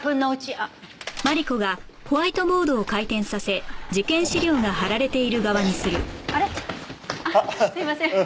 あっすみません。